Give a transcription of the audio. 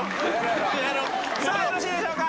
さあよろしいでしょうか。